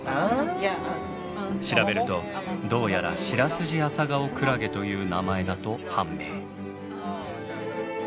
調べるとどうやらシラスジアサガオクラゲという名前だと判明。